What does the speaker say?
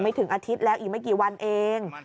ถึงอาทิตย์แล้วอีกไม่กี่วันเอง